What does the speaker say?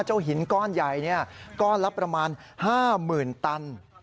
เจ้าหินก้อนใหญ่ก้อนละประมาณ๕๐๐๐ตัน